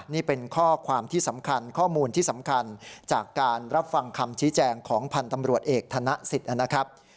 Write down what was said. นี่เป็นข้อความที่สำคัญข้อมูลที่สำคัญจากการรับฟังคำชี้แจงของพันธ์ตำรวจเอกธนสิทธิ์นะครับ